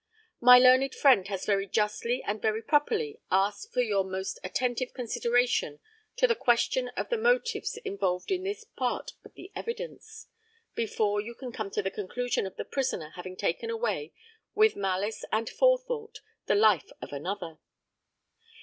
My learned friend has very justly and very properly asked for your most attentive consideration to the question of the motives involved in this part of the evidence, before you can come to the conclusion of the prisoner having taken away, with malice and forethought, the life of another.